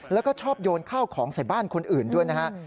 แล้วก็ชอบโยนข้าวของใส่บ้านคนอื่นด้วยนะฮะ